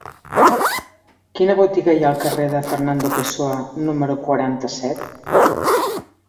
Quina botiga hi ha al carrer de Fernando Pessoa número quaranta-set?